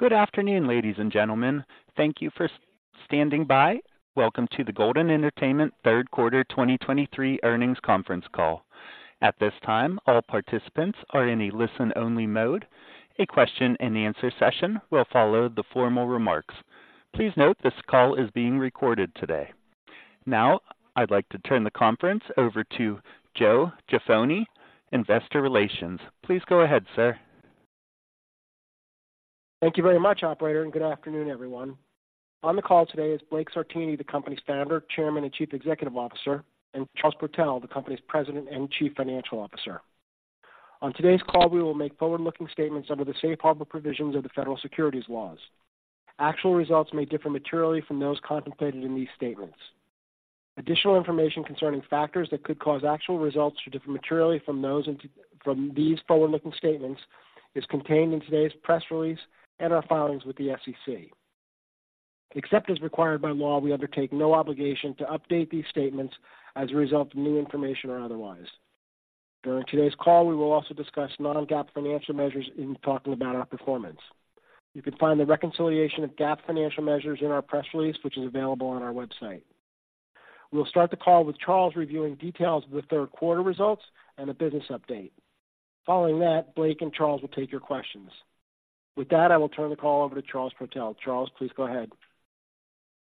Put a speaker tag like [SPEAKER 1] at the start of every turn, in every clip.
[SPEAKER 1] Good afternoon, ladies and gentlemen. Thank you for standing by. Welcome to the Golden Entertainment third quarter 2023 earnings conference call. At this time, all participants are in a listen-only mode. A question-and-answer session will follow the formal remarks. Please note, this call is being recorded today. Now, I'd like to turn the conference over to Joe Jaffoni, Investor Relations. Please go ahead, sir.
[SPEAKER 2] Thank you very much, operator, and good afternoon, everyone. On the call today is Blake Sartini, the company's Founder, Chairman, and Chief Executive Officer, and Charles Protell, the company's President and Chief Financial Officer. On today's call, we will make forward-looking statements under the safe harbor provisions of the federal securities laws. Actual results may differ materially from those contemplated in these statements. Additional information concerning factors that could cause actual results to differ materially from those in these forward-looking statements is contained in today's press release and our filings with the SEC. Except as required by law, we undertake no obligation to update these statements as a result of new information or otherwise. During today's call, we will also discuss non-GAAP financial measures in talking about our performance. You can find the reconciliation of GAAP financial measures in our press release, which is available on our website. We'll start the call with Charles reviewing details of the third quarter results and a business update. Following that, Blake and Charles will take your questions. With that, I will turn the call over to Charles Protell. Charles, please go ahead.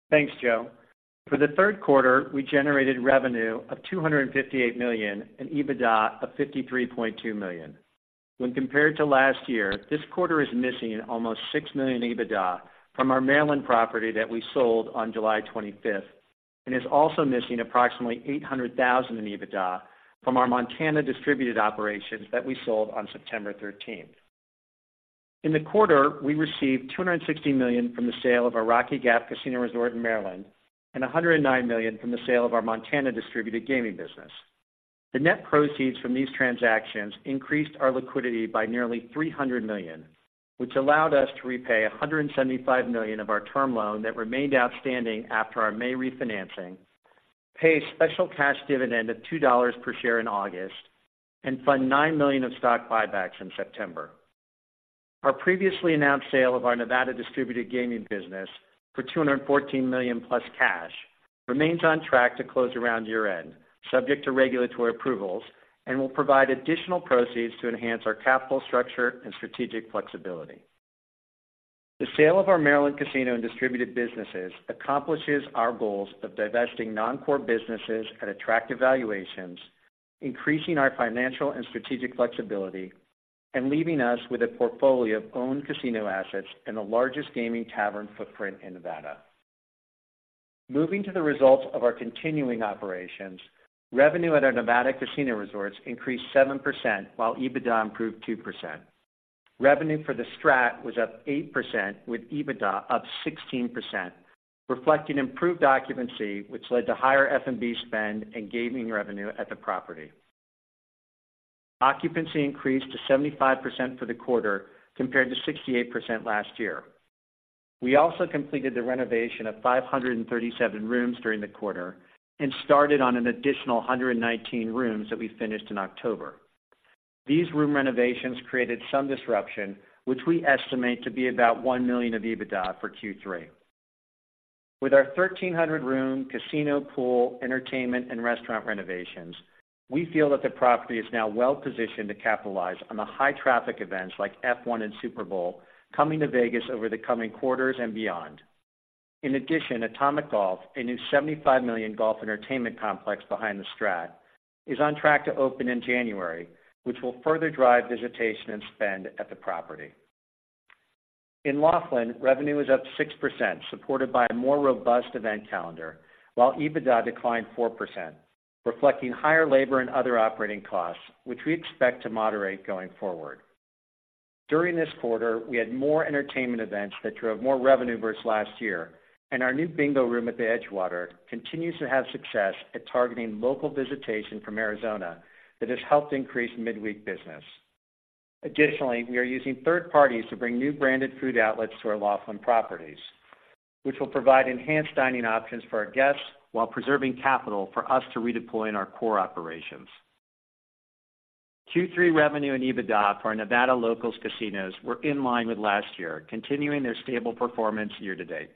[SPEAKER 3] Thanks, Joe. For the third quarter, we generated revenue of $258 million and EBITDA of $53.2 million. When compared to last year, this quarter is missing almost $6 million in EBITDA from our Maryland property that we sold on July 25th, and is also missing approximately $800,000 in EBITDA from our Montana distributed operations that we sold on September 13th. In the quarter, we received $260 million from the sale of our Rocky Gap Casino Resort in Maryland and $109 million from the sale of our Montana distributed gaming business. The net proceeds from these transactions increased our liquidity by nearly $300 million, which allowed us to repay $175 million of our term loan that remained outstanding after our May refinancing, pay a special cash dividend of $2 per share in August, and fund $9 million of stock buybacks in September. Our previously announced sale of our Nevada distributed gaming business for $214 million plus cash remains on track to close around year-end, subject to regulatory approvals, and will provide additional proceeds to enhance our capital structure and strategic flexibility. The sale of our Maryland casino and distributed businesses accomplishes our goals of divesting non-core businesses at attractive valuations, increasing our financial and strategic flexibility, and leaving us with a portfolio of owned casino assets and the largest gaming tavern footprint in Nevada. Moving to the results of our continuing operations, revenue at our Nevada casino resorts increased 7%, while EBITDA improved 2%. Revenue for the STRAT was up 8%, with EBITDA up 16%, reflecting improved occupancy, which led to higher F&B spend and gaming revenue at the property. Occupancy increased to 75% for the quarter, compared to 68% last year. We also completed the renovation of 537 rooms during the quarter and started on an additional 119 rooms that we finished in October. These room renovations created some disruption, which we estimate to be about $1 million of EBITDA for Q3. With our 1,300-room casino, pool, entertainment, and restaurant renovations, we feel that the property is now well-positioned to capitalize on the high traffic events like F1 and Super Bowl coming to Vegas over the coming quarters and beyond. In addition, Atomic Golf, a new $75 million golf entertainment complex behind The STRAT, is on track to open in January, which will further drive visitation and spend at the property. In Laughlin, revenue was up 6%, supported by a more robust event calendar, while EBITDA declined 4%, reflecting higher labor and other operating costs, which we expect to moderate going forward. During this quarter, we had more entertainment events that drove more revenue versus last year, and our new bingo room at the Edgewater continues to have success at targeting local visitation from Arizona that has helped increase midweek business. Additionally, we are using third parties to bring new branded food outlets to our Laughlin properties, which will provide enhanced dining options for our guests while preserving capital for us to redeploy in our core operations. Q3 revenue and EBITDA for our Nevada locals casinos were in line with last year, continuing their stable performance year to date.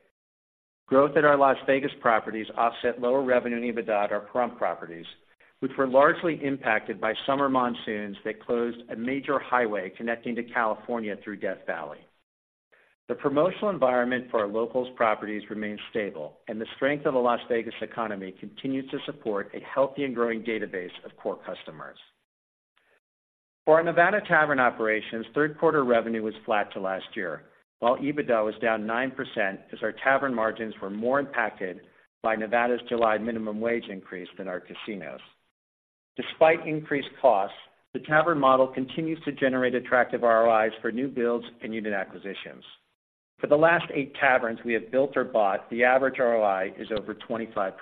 [SPEAKER 3] Growth at our Las Vegas properties offset lower revenue and EBITDA at our Pahrump properties, which were largely impacted by summer monsoons that closed a major highway connecting to California through Death Valley. The promotional environment for our locals properties remains stable, and the strength of the Las Vegas economy continues to support a healthy and growing database of core customers. For our Nevada tavern operations, third quarter revenue was flat to last year, while EBITDA was down 9% as our tavern margins were more impacted by Nevada's July minimum wage increase than our casinos. Despite increased costs, the tavern model continues to generate attractive ROIs for new builds and unit acquisitions. For the last 8 taverns we have built or bought, the average ROI is over 25%.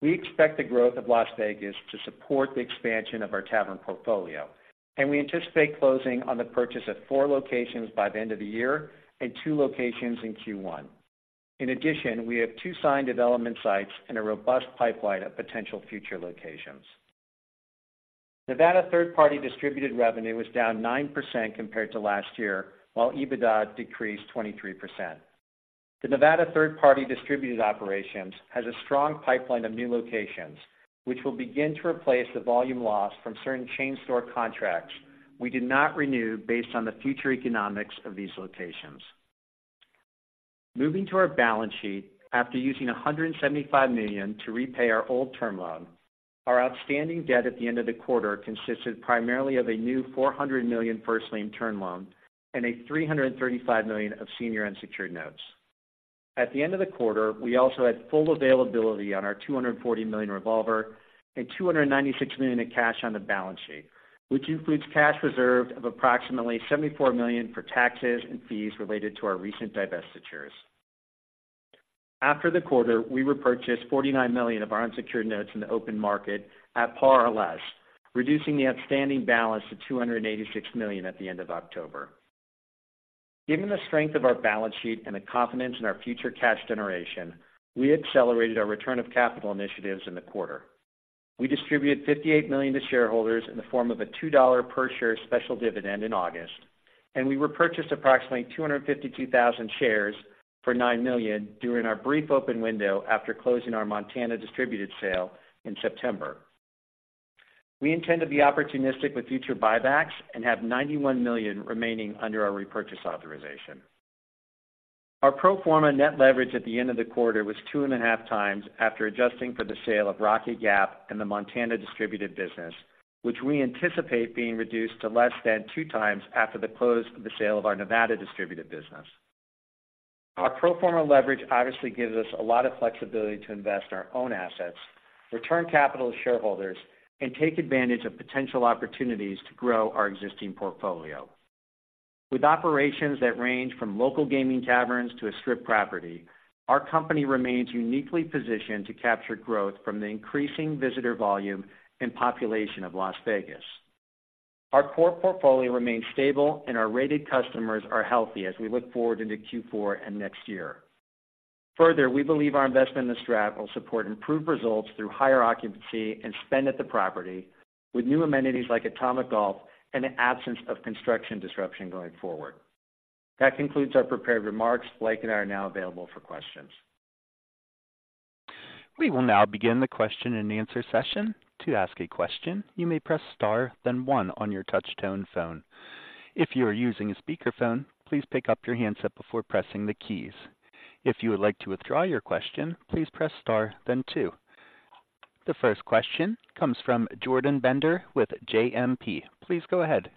[SPEAKER 3] We expect the growth of Las Vegas to support the expansion of our tavern portfolio, and we anticipate closing on the purchase of 4 locations by the end of the year and 2 locations in Q1. In addition, we have 2 signed development sites and a robust pipeline of potential future locations. Nevada third-party distributed revenue was down 9% compared to last year, while EBITDA decreased 23%. The Nevada third-party distributed operations has a strong pipeline of new locations, which will begin to replace the volume loss from certain chain store contracts we did not renew based on the future economics of these locations. Moving to our balance sheet, after using $175 million to repay our old term loan, our outstanding debt at the end of the quarter consisted primarily of a new $400 million first lien term loan and $335 million of senior unsecured notes. At the end of the quarter, we also had full availability on our $240 million revolver and $296 million in cash on the balance sheet, which includes cash reserved of approximately $74 million for taxes and fees related to our recent divestitures. After the quarter, we repurchased $49 million of our unsecured notes in the open market at par or less, reducing the outstanding balance to $286 million at the end of October. Given the strength of our balance sheet and the confidence in our future cash generation, we accelerated our return of capital initiatives in the quarter. We distributed $58 million to shareholders in the form of a $2 per share special dividend in August, and we repurchased approximately 252,000 shares for $9 million during our brief open window after closing our Montana distributed sale in September. We intend to be opportunistic with future buybacks and have $91 million remaining under our repurchase authorization. Our pro forma net leverage at the end of the quarter was 2.5 times after adjusting for the sale of Rocky Gap and the Montana distributed business, which we anticipate being reduced to less than 2 times after the close of the sale of our Nevada distributed business. Our pro forma leverage obviously gives us a lot of flexibility to invest in our own assets, return capital to shareholders, and take advantage of potential opportunities to grow our existing portfolio. With operations that range from local gaming taverns to a Strip property, our company remains uniquely positioned to capture growth from the increasing visitor volume and population of Las Vegas. Our core portfolio remains stable, and our rated customers are healthy as we look forward into Q4 and next year. Further, we believe our investment in The STRAT will support improved results through higher occupancy and spend at the property, with new amenities like Atomic Golf and an absence of construction disruption going forward. That concludes our prepared remarks. Blake and I are now available for questions.
[SPEAKER 1] We will now begin the question-and-answer session. To ask a question, you may press star then one on your touchtone phone. If you are using a speakerphone, please pick up your handset before pressing the keys. If you would like to withdraw your question, please press star then two. The first question comes from Jordan Bender with JMP. Please go ahead.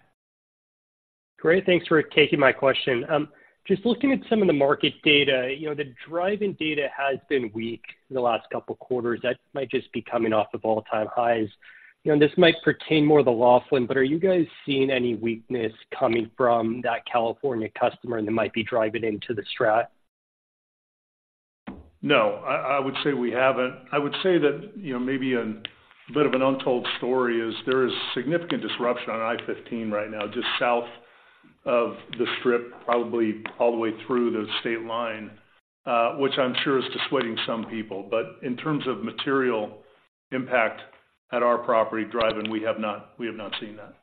[SPEAKER 4] Great. Thanks for taking my question. Just looking at some of the market data, you know, the drive-in data has been weak in the last couple of quarters. That might just be coming off of all-time highs. You know, this might pertain more to Laughlin, but are you guys seeing any weakness coming from that California customer that might be driving into The STRAT?
[SPEAKER 5] No, I, I would say we haven't. I would say that, you know, maybe a bit of an untold story is there is significant disruption on I-15 right now, just south of the Strip, probably all the way through the state line, which I'm sure is dissuading some people. But in terms of material impact at our property drive-in, we have not, we have not seen that.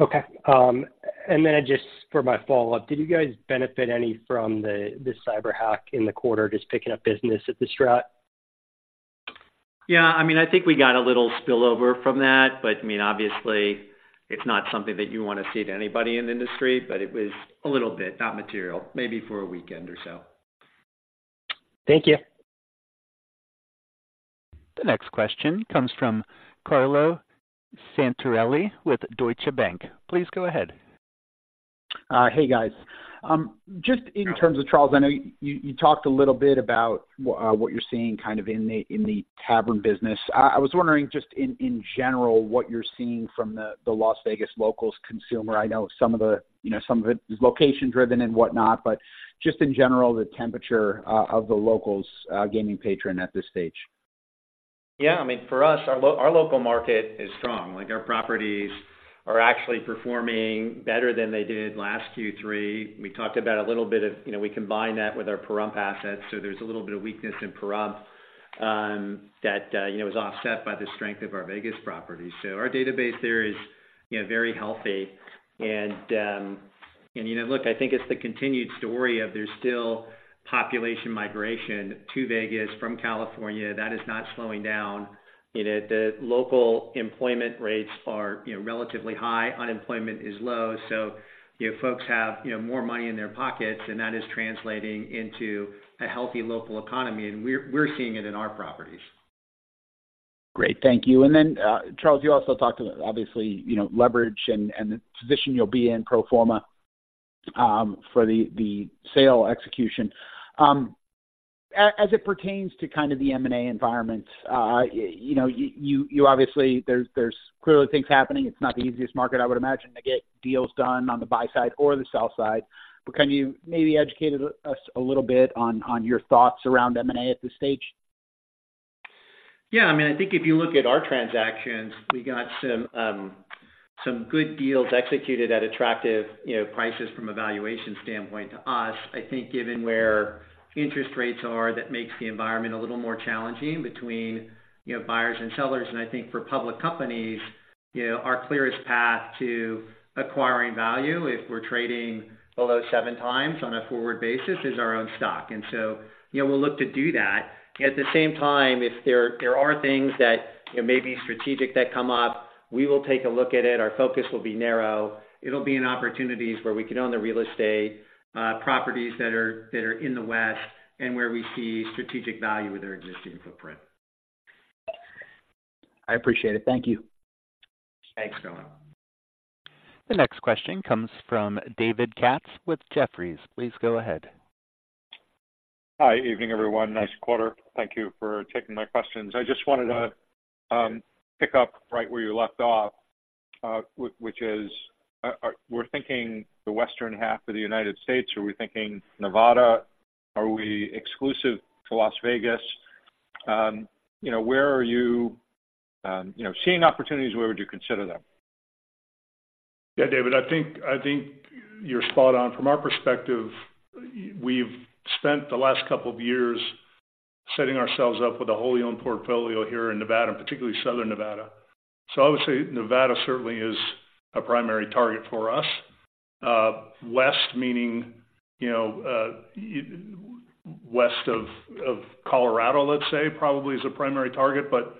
[SPEAKER 4] Okay. And then just for my follow-up, did you guys benefit any from the cyber hack in the quarter, just picking up business at the STRAT?
[SPEAKER 3] Yeah, I mean, I think we got a little spillover from that, but, I mean, obviously, it's not something that you want to see to anybody in the industry, but it was a little bit, not material, maybe for a weekend or so.
[SPEAKER 4] Thank you.
[SPEAKER 1] The next question comes from Carlo Santarelli with Deutsche Bank. Please go ahead.
[SPEAKER 6] Hey, guys. Just in terms of, Charles, I know you, you talked a little bit about what you're seeing kind of in the, in the tavern business. I was wondering, just in, in general, what you're seeing from the, the Las Vegas locals consumer. I know some of the, you know, some of it is location-driven and whatnot, but just in general, the temperature of the locals gaming patron at this stage.
[SPEAKER 3] Yeah, I mean, for us, our local market is strong. Like, our properties are actually performing better than they did last Q3. We talked about a little bit of, you know, we combine that with our Pahrump assets, so there's a little bit of weakness in Pahrump, that, you know, is offset by the strength of our Vegas properties. So our database there is, you know, very healthy and, and you know, look, I think it's the continued story of there's still population migration to Vegas from California. That is not slowing down. You know, the local employment rates are, you know, relatively high. Unemployment is low, so, you know, folks have, you know, more money in their pockets, and that is translating into a healthy local economy, and we're, we're seeing it in our properties.
[SPEAKER 6] Great. Thank you. And then, Charles, you also talked about, obviously, you know, leverage and the position you'll be in pro forma for the sale execution. As it pertains to kind of the M&A environment, you know, obviously, there's clearly things happening. It's not the easiest market, I would imagine, to get deals done on the buy side or the sell side. But can you maybe educate us a little bit on your thoughts around M&A at this stage?
[SPEAKER 3] Yeah, I mean, I think if you look at our transactions, we got some,... some good deals executed at attractive, you know, prices from a valuation standpoint to us. I think, given where interest rates are, that makes the environment a little more challenging between, you know, buyers and sellers. And I think for public companies, you know, our clearest path to acquiring value, if we're trading below 7x on a forward basis, is our own stock. And so, you know, we'll look to do that. At the same time, if there are things that, you know, may be strategic, that come up, we will take a look at it. Our focus will be narrow. It'll be in opportunities where we could own the real estate, properties that are in the West and where we see strategic value with our existing footprint.
[SPEAKER 6] I appreciate it. Thank you.
[SPEAKER 3] Thanks, Dylan.
[SPEAKER 1] The next question comes from David Katz with Jefferies. Please go ahead.
[SPEAKER 7] Hi, evening, everyone. Nice quarter. Thank you for taking my questions. I just wanted to pick up right where you left off, we're thinking the western half of the United States, are we thinking Nevada? Are we exclusive to Las Vegas? You know, where are you seeing opportunities, where would you consider them?
[SPEAKER 5] Yeah, David, I think, I think you're spot on. From our perspective, we've spent the last couple of years setting ourselves up with a wholly owned portfolio here in Nevada, and particularly southern Nevada. So obviously, Nevada certainly is a primary target for us. West, meaning, you know, west of Colorado, let's say, probably is a primary target, but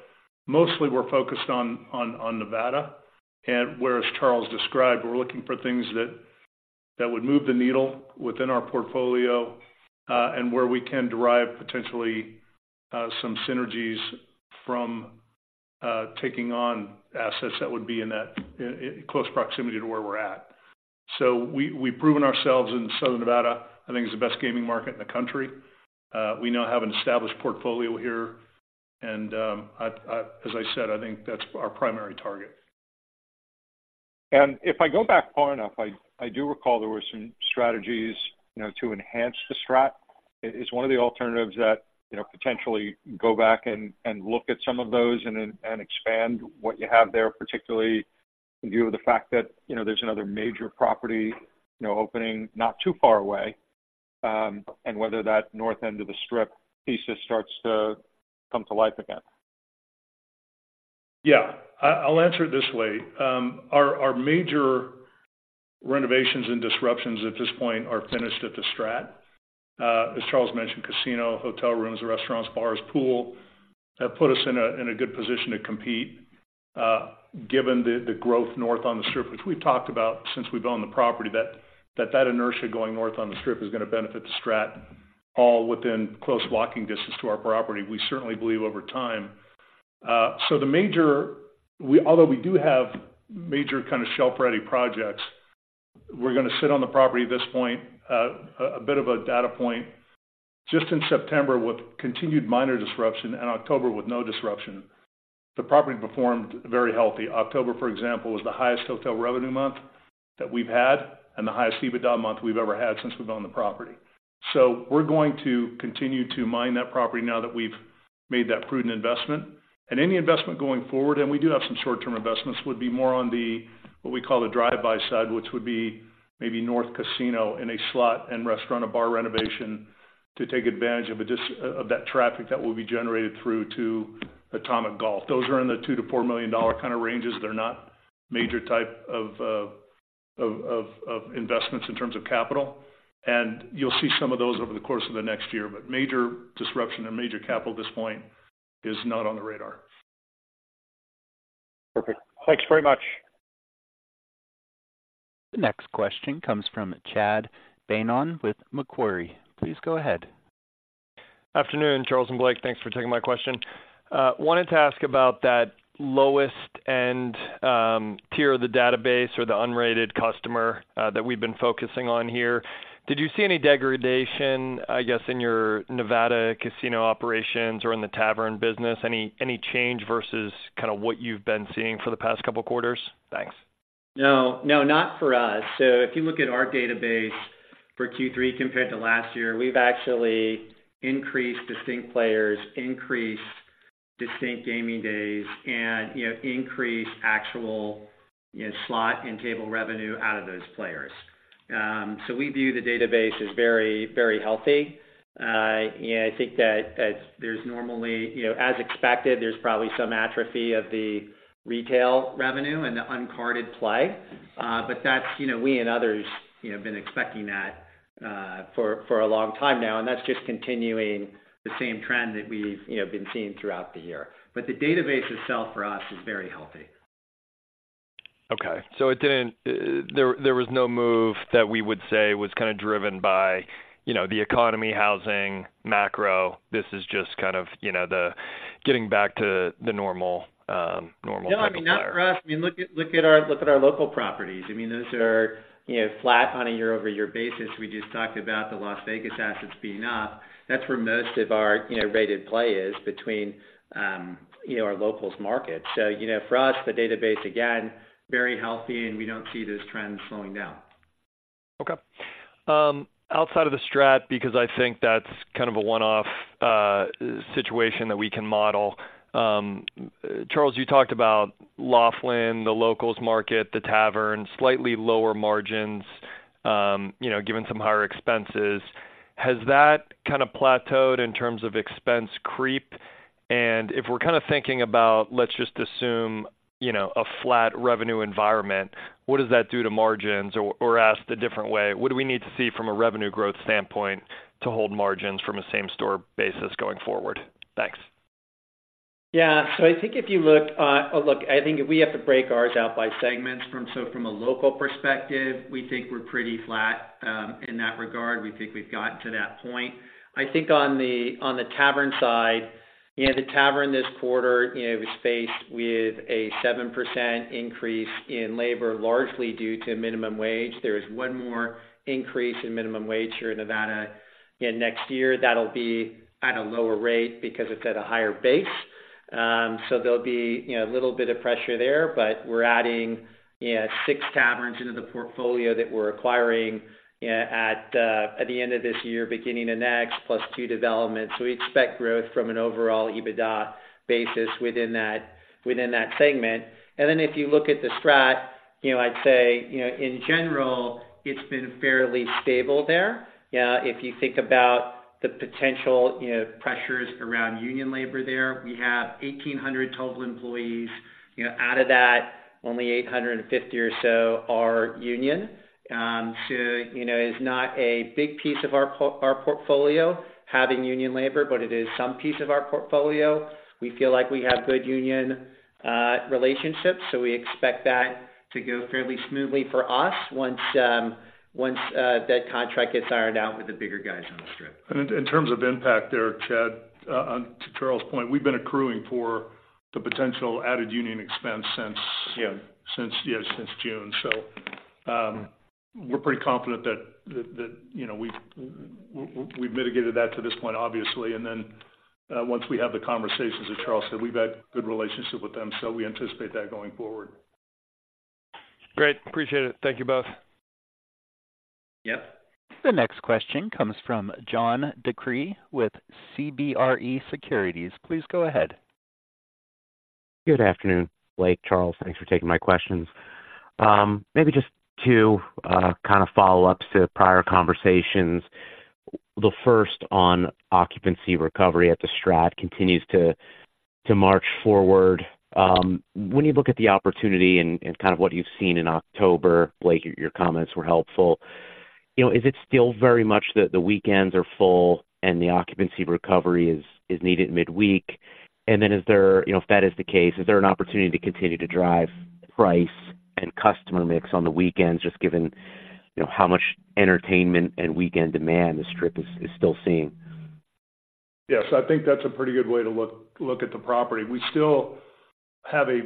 [SPEAKER 5] mostly we're focused on Nevada. And where, as Charles described, we're looking for things that would move the needle within our portfolio, and where we can derive potentially some synergies from taking on assets that would be in that close proximity to where we're at. So we, we've proven ourselves in southern Nevada, I think it's the best gaming market in the country. We now have an established portfolio here, and, as I said, I think that's our primary target.
[SPEAKER 7] If I go back far enough, I do recall there were some strategies, you know, to enhance The STRAT. Is one of the alternatives that, you know, potentially go back and look at some of those and expand what you have there, particularly in view of the fact that, you know, there's another major property, you know, opening not too far away, and whether that north end of the Strip thesis starts to come to life again?
[SPEAKER 5] Yeah. I'll answer it this way. Our major renovations and disruptions at this point are finished at The STRAT. As Charles mentioned, casino, hotel rooms, restaurants, bars, pool have put us in a good position to compete, given the growth north on the Strip, which we've talked about since we've owned the property, that inertia going north on the Strip is going to benefit The STRAT, all within close walking distance to our property. We certainly believe over time. So, although we do have major kind of shelf-ready projects, we're going to sit on the property at this point. A bit of a data point, just in September, with continued minor disruption and October with no disruption, the property performed very healthy. October, for example, was the highest hotel revenue month that we've had and the highest EBITDA month we've ever had since we've owned the property. So we're going to continue to mine that property now that we've made that prudent investment. And any investment going forward, and we do have some short-term investments, would be more on the, what we call the drive-by side, which would be maybe North Casino in a slot and restaurant or bar renovation to take advantage of a disruption of that traffic that will be generated through to Atomic Golf. Those are in the $2 million-$4 million kind of ranges. They're not major type of investments in terms of capital, and you'll see some of those over the course of the next year. But major disruption and major capital at this point is not on the radar.
[SPEAKER 7] Perfect. Thanks very much.
[SPEAKER 1] The next question comes from Chad Beynon with Macquarie. Please go ahead.
[SPEAKER 8] Afternoon, Charles and Blake, thanks for taking my question. Wanted to ask about that lowest-end tier of the database or the unrated customer that we've been focusing on here. Did you see any degradation, I guess, in your Nevada casino operations or in the tavern business? Any change versus kind of what you've been seeing for the past couple of quarters? Thanks.
[SPEAKER 3] No, no, not for us. So if you look at our database for Q3 compared to last year, we've actually increased distinct players, increased distinct gaming days, and, you know, increased actual, you know, slot and table revenue out of those players. So we view the database as very, very healthy. And I think that, as there's normally, you know, as expected, there's probably some atrophy of the retail revenue and the uncarded play. But that's, you know, we and others, you know, have been expecting that, for, for a long time now, and that's just continuing the same trend that we've, you know, been seeing throughout the year. But the database itself for us is very healthy.
[SPEAKER 8] Okay, so it didn't. There was no move that we would say was kind of driven by, you know, the economy, housing, macro. This is just kind of, you know, the getting back to the normal, normal type of player.
[SPEAKER 3] No, I mean, not for us. I mean, look at our local properties. I mean, those are, you know, flat on a year-over-year basis. We just talked about the Las Vegas assets being up. That's where most of our, you know, rated play is between, you know, our locals market. So, you know, for us, the database, again, very healthy, and we don't see those trends slowing down.
[SPEAKER 8] Okay. Outside of The STRAT, because I think that's kind of a one-off situation that we can model. Charles, you talked about Laughlin, the locals market, the tavern, slightly lower margins, you know, given some higher expenses. Has that kind of plateaued in terms of expense creep? And if we're kind of thinking about, let's just assume, you know, a flat revenue environment, what does that do to margins? Or asked a different way, what do we need to see from a revenue growth standpoint to hold margins from a same-store basis going forward? Thanks.
[SPEAKER 3] Yeah. So I think if you look, I think we have to break ours out by segments from. So from a local perspective, we think we're pretty flat in that regard. We think we've gotten to that point. I think on the tavern side, you know, the tavern this quarter, you know, was faced with a 7% increase in labor, largely due to minimum wage. There is one more increase in minimum wage here in Nevada. In next year, that'll be at a lower rate because it's at a higher base. So there'll be, you know, a little bit of pressure there, but we're adding, yeah, 6 taverns into the portfolio that we're acquiring at the end of this year, beginning of next, plus two developments. So we expect growth from an overall EBITDA basis within that, within that segment. And then if you look at The STRAT, you know, I'd say, you know, in general, it's been fairly stable there. If you think about the potential, you know, pressures around union labor there, we have 1,800 total employees. You know, out of that, only 850 or so are union. So, you know, it's not a big piece of our our portfolio having union labor, but it is some piece of our portfolio. We feel like we have good union relationships, so we expect that to go fairly smoothly for us once, once, that contract gets ironed out with the bigger guys on the Strip.
[SPEAKER 5] In terms of impact there, Chad, onto Charles' point, we've been accruing for the potential added union expense since-
[SPEAKER 3] Yeah.
[SPEAKER 5] Since, yeah, since June. So, we're pretty confident that, you know, we've mitigated that to this point, obviously. And then, once we have the conversations, as Charles said, we've had good relationships with them, so we anticipate that going forward.
[SPEAKER 8] Great, appreciate it. Thank you both.
[SPEAKER 3] Yep.
[SPEAKER 1] The next question comes from John DeCree with CBRE Securities. Please go ahead.
[SPEAKER 9] Good afternoon, Blake, Charles. Thanks for taking my questions. Maybe just two kind of follow-ups to prior conversations. The first on occupancy recovery at The STRAT continues to march forward. When you look at the opportunity and kind of what you've seen in October, Blake, your comments were helpful. You know, is it still very much the weekends are full and the occupancy recovery is needed midweek? And then is there... You know, if that is the case, is there an opportunity to continue to drive price and customer mix on the weekends, just given, you know, how much entertainment and weekend demand the Strip is still seeing?
[SPEAKER 5] Yes, I think that's a pretty good way to look at the property. We still have a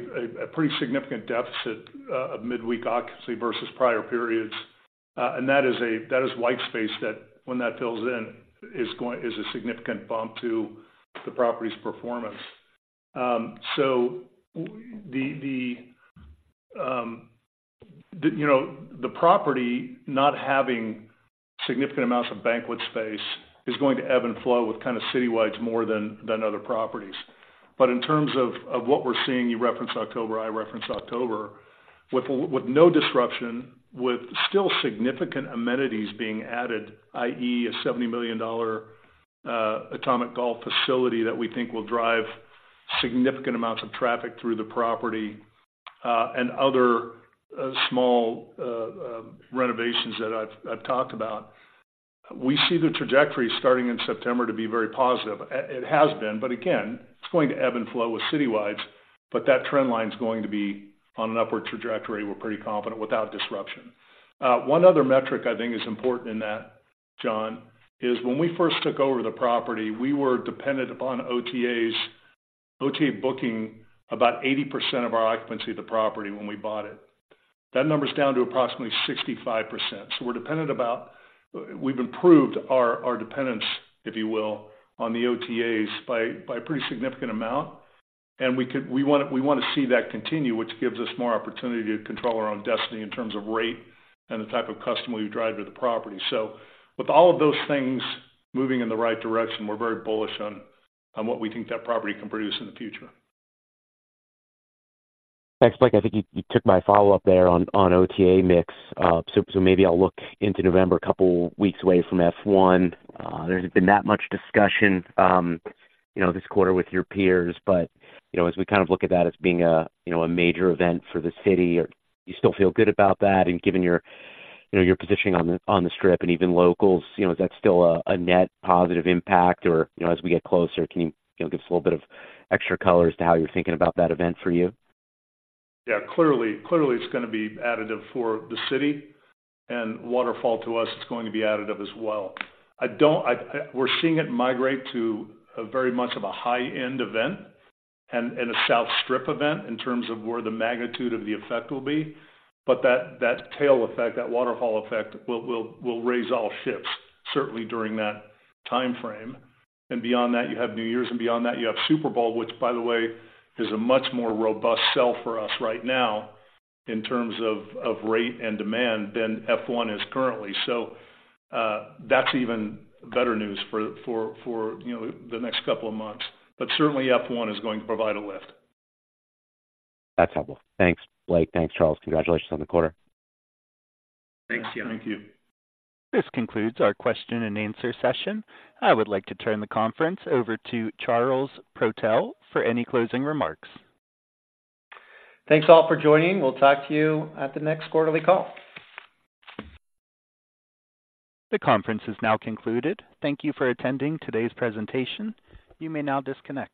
[SPEAKER 5] pretty significant deficit of midweek occupancy versus prior periods. And that is white space that when that fills in, is a significant bump to the property's performance. So the, you know, the property not having significant amounts of banquet space is going to ebb and flow with kind of citywides more than other properties. But in terms of what we're seeing, you referenced October, I referenced October, with no disruption, with still significant amenities being added, i.e., a $70 million Atomic Golf facility that we think will drive significant amounts of traffic through the property, and other small renovations that I've talked about. We see the trajectory starting in September to be very positive. It has been, but again, it's going to ebb and flow with citywides, but that trend line is going to be on an upward trajectory. We're pretty confident without disruption. One other metric I think is important in that, John, is when we first took over the property, we were dependent upon OTAs, OTA booking about 80% of our occupancy of the property when we bought it. That number is down to approximately 65%. So we're dependent about-- We've improved our, our dependence, if you will, on the OTAs by, by a pretty significant amount. And we could-- we wanna, we wanna see that continue, which gives us more opportunity to control our own destiny in terms of rate and the type of customer we drive to the property. With all of those things moving in the right direction, we're very bullish on, on what we think that property can produce in the future.
[SPEAKER 9] Thanks, Blake. I think you took my follow-up there on OTA mix. So maybe I'll look into November, a couple weeks away from F1. There's been that much discussion this quarter with your peers, but you know, as we kind of look at that as being a major event for the city, do you still feel good about that? And given your positioning on the Strip and even locals, you know, is that still a net positive impact? Or, as we get closer, can you give us a little bit of extra color as to how you're thinking about that event for you?
[SPEAKER 5] Yeah, clearly, clearly, it's gonna be additive for the city, and waterfall to us. It's going to be additive as well. We're seeing it migrate to very much of a high-end event and a South Strip event in terms of where the magnitude of the effect will be. But that tail effect, that waterfall effect, will raise all ships, certainly during that timeframe. And beyond that, you have New Year's, and beyond that, you have Super Bowl, which, by the way, is a much more robust sell for us right now in terms of rate and demand than F1 is currently. So, that's even better news for, you know, the next couple of months. But certainly F1 is going to provide a lift.
[SPEAKER 9] That's helpful. Thanks, Blake. Thanks, Charles. Congratulations on the quarter.
[SPEAKER 3] Thanks, John.
[SPEAKER 5] Thank you.
[SPEAKER 1] This concludes our question and answer session. I would like to turn the conference over to Charles Protell for any closing remarks.
[SPEAKER 3] Thanks all for joining. We'll talk to you at the next quarterly call.
[SPEAKER 1] The conference is now concluded. Thank you for attending today's presentation. You may now disconnect.